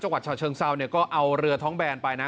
จังหวัดฉะเชิงเซาก็เอาเรือท้องแบนไปนะ